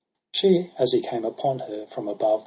8 She, as he came upon her from above.